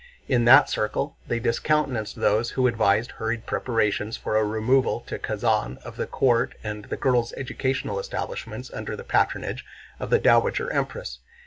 In that circle they discountenanced those who advised hurried preparations for a removal to Kazán of the court and the girls' educational establishments under the patronage of the Dowager Empress.